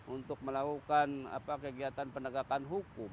untuk melakukan kegiatan penegakan hukum